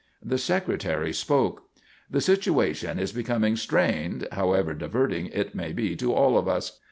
The Secretary spoke: "The situation is becoming strained, however diverting it may be to all of us.